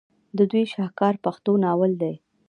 د دوي شاهکار پښتو ناول دے